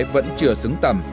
vẫn chưa xứng tầm